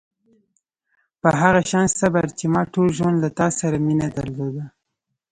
په هغه شان صبر چې ما ټول ژوند له تا سره مینه درلوده.